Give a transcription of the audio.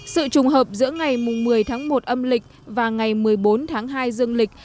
sự trùng hợp giữa ngày một mươi tháng một âm lịch và ngày một mươi bốn tháng hai dương lịch